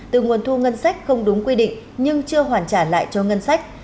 từ nguồn thu ngân sách không đúng quy định nhưng chưa hoàn trả lại cho ngân sách